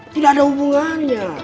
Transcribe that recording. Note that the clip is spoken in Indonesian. tidak ada hubungannya